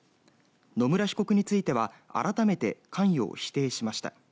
野村被告については改めて関与を否定しました。